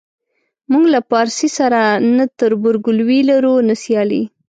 موږ له پارسي سره نه تربورګلوي لرو نه سیالي.